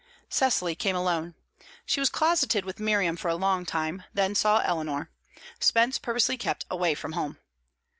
Cecily came alone. She was closeted with Miriam for a long time, then saw Eleanor. Spence purposely kept away from home.